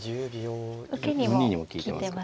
受けにも利いてますね。